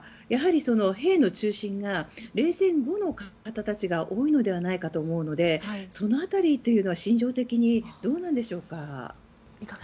やはり兵の中心が冷戦後の方たちが多いのではないかと思うのでその辺りというのは心情的にどうなんでしょうか。